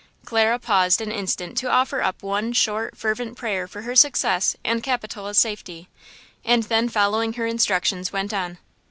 Clara paused an instant to offer up one short, fervent prayer for her success and Capitola's safety, and then following her instructions, went on.